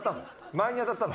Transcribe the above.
前に当たったの？